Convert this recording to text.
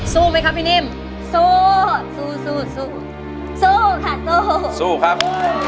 ไหมคะพี่นิ่มสู้สู้สู้สู้ค่ะสู้สู้ครับ